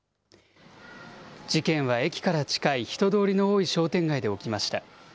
事件は駅から近い人通りの多い商店街で起きました。